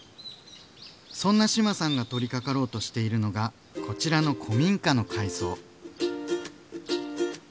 そんな志麻さんが取りかかろうとしているのがこちらの古民家の改装。